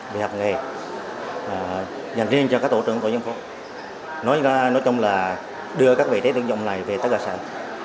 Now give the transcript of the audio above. về hợp nghề dành riêng cho các tổ trưởng của dân phố nói chung là đưa các vị trí tự động này về tất cả sản